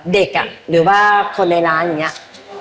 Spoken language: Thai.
เด็กอ่ะหรือว่าคนในร้านอย่างนี้